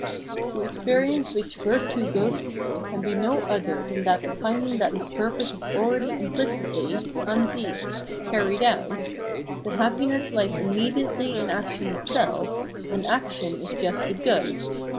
The experience which virtue goes through can be no other than that of finding that its purpose is already implicitly {an sicli) carried out, that happiness Ues immediately in action itself, and action is just the good.